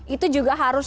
itu juga harus